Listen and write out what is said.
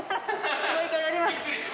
もう１回やります。